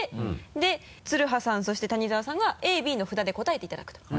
で羽さんそして谷澤さんは「Ａ」「Ｂ」の札で答えていただくと。